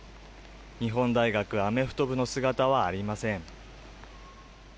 日本大学アメフト部の姿はありません。